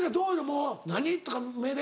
もう「何⁉」とか目で？